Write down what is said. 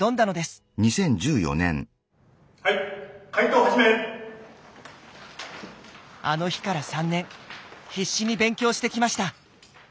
あの日から３年必死に勉強してきました。